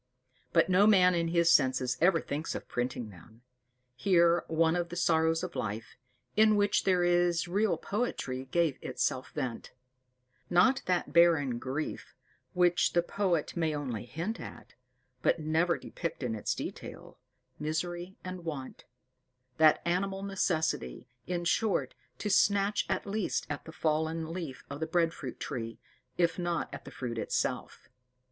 But no man in his senses ever thinks of printing them. Here one of the sorrows of life, in which there is real poetry, gave itself vent; not that barren grief which the poet may only hint at, but never depict in its detail misery and want: that animal necessity, in short, to snatch at least at a fallen leaf of the bread fruit tree, if not at the fruit itself.